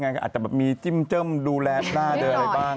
ก็อาจจะแบบมีจิ้มเจิ้มดูแลหน้าเดินอะไรบ้าง